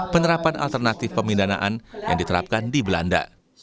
penerapan alternatif pemindanaan yang diterapkan di belanda